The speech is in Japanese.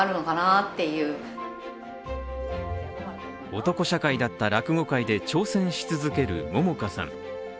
男社会だった落語界で挑戦し続ける桃花さん。